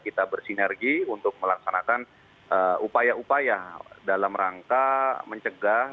kita bersinergi untuk melaksanakan upaya upaya dalam rangka mencegah